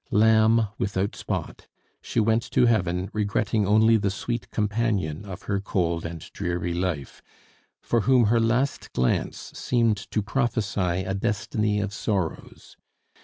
Lamb without spot, she went to heaven, regretting only the sweet companion of her cold and dreary life, for whom her last glance seemed to prophesy a destiny of sorrows.